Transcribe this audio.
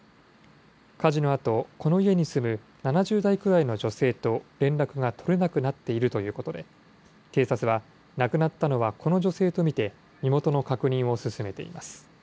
火事のあと、この家に住む７０代くらいの女性と連絡が取れなくなっているということで、警察は、亡くなったのはこの女性と見て、身元の確認を進めています。